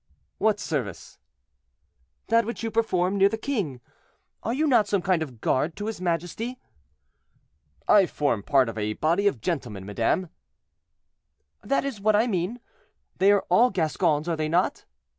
"What service?" "That which you perform near the king. Are you not some kind of guard to his majesty?" "I form part of a body of gentlemen, madame." "That is what I mean. They are all Gascons, are they not?"